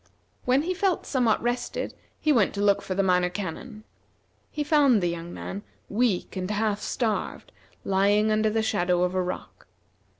When he felt somewhat rested he went to look for the Minor Canon. He found the young man, weak and half starved, lying under the shadow of a rock.